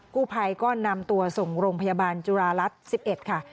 กู้ภัยก็นำตัวส่งโรงพยาบาลจุฬารัฐ๑๑ค่ะ